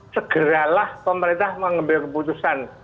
segeralah pemerintah mengambil keputusan